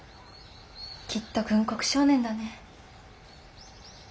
きっと軍国少年だね。